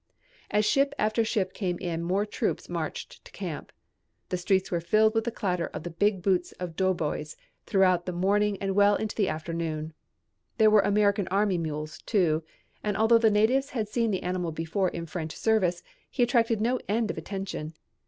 As ship after ship came in more troops marched to camp. The streets were filled with the clatter of the big boots of doughboys throughout the morning and well into the afternoon. There were American army mules, too, and although the natives had seen the animal before in French service, he attracted no end of attention.